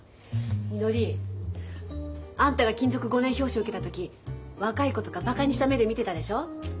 みのりあんたが勤続５年表彰受けた時若い子とかバカにした目で見てたでしょ。